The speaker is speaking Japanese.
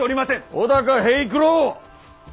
尾高平九郎。